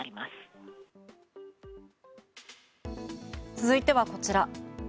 続いてはこちら。